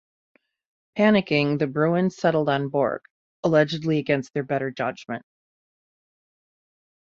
Panicking, the Bruins settled on Bourque, allegedly against their better judgment.